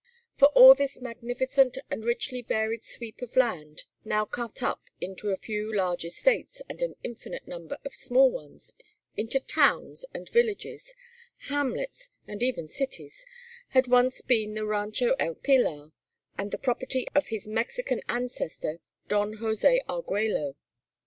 For all this magnificent and richly varied sweep of land, now cut up into a few large estates and an infinite number of small ones, into towns, and villages, hamlets, and even cities, had once been the Rancho El Pilar, and the property of his Mexican ancestor, Don José Argüello.